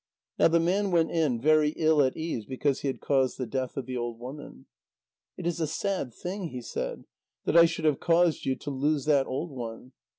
Now the man went in, very ill at ease because he had caused the death of the old woman. "It is a sad thing," he said, "that I should have caused you to lose that old one."